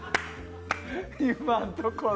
今のところ。